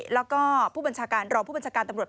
แล้วก็รอบบัญชาการตำรวจ